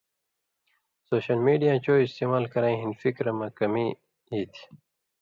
سوشل میڈیاں چو استعمال کرَیں ہِن فِکِر مہ کمی ای تھی